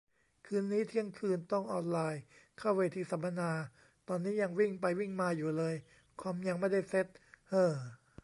คืนนี้ เที่ยงคืน ต้องออนไลน์เข้าเวทีสัมมนา ตอนนี้ยังวิ่งไปวิ่งมาอยู่เลย คอมยังไม่ได้เซ็ต เฮ่อ